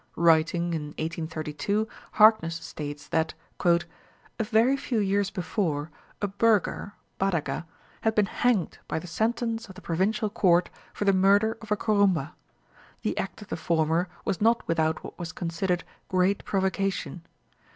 Writing in 1832, Harkness states that "a very few years before, a Burgher (Badaga) had been hanged by the sentence of the provincial court for the murder of a Kurumba. The act of the former was not without what was considered great provocation.